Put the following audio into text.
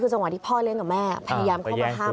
คือจังหวะที่พ่อเลี้ยงกับแม่พยายามเข้ามาห้าม